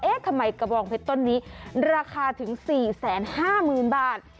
ทำไมกระบองเพชรต้นนี้ราคาถึง๔๕๐๐๐บาท